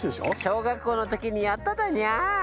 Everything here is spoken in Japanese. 小学校の時にやっただにゃ。